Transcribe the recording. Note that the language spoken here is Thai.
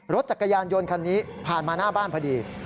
รถจักรยานยนต์คันนี้ผ่านมาหน้าบ้านพอดี